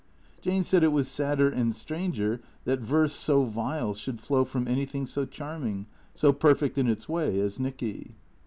Jane said it was sadder and stranger that verse so vile should flow from anything so charming, so perfect in its way as Nicky.